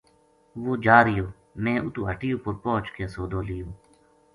وہ جا رہیو میں اُتو ہٹی اپر پوہچ کے سودو لیو۔